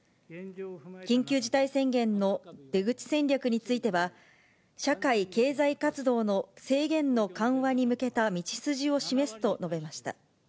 緊急事態宣言の出口戦略については、社会経済活動の制限の緩和に向けた道筋を示すと述べました。